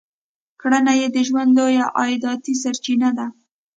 کرنه یې د ژوند لویه عایداتي سرچینه ده.